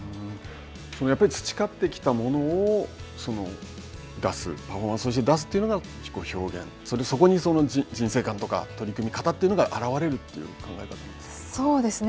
やっぱり培って来たものを出す、パフォーマンスとして出すというのが表現、そこに人生観とか、取り組み方というのがそうですね。